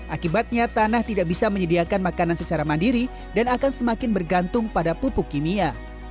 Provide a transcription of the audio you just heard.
akibatnya tanah tidak bisa menyediakan makanan secara mandiri dan akan semakin bergantung pada pupuk kimia